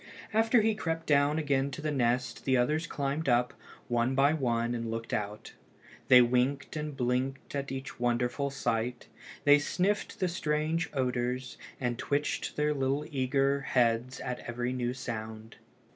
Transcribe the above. After he crept down again to the nest the others climbed up, one by one, and looked out. They winked and blinked at each wonderful sight; they sniffed the strange odors, and twitched their eager little heads at every new sound.